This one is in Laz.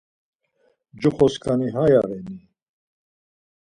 Coxoskani aya reni?